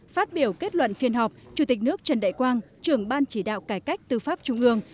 phát biểu kết luận phiên họp chủ tịch nước trần đại quang trưởng ban chỉ đạo cải cách tư pháp trung ương